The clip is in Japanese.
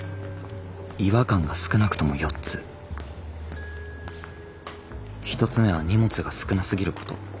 違和感が少なくとも４つ１つ目は荷物が少なすぎること。